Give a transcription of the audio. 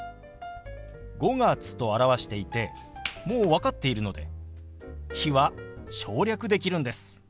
「５月」と表していてもう分かっているので「日」は省略できるんです。